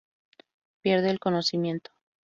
Pierde el conocimiento.